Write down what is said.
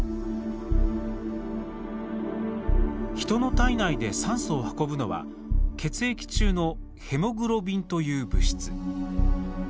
人の体内で酸素を運ぶのは血液中のヘモグロビンという物質。